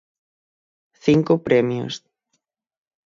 Cinco premios.